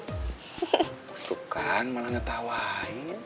itu kan malah ngetawain